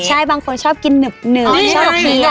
ใช่บางคนชอบกินหนึบชอบเคี้ยว